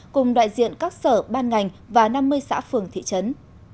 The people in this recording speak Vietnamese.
cùng đại diện các sở ban ngành và năm mươi xã phường thị trấn